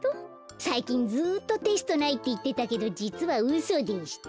さいきんずっとテストないっていってたけどじつはうそでした。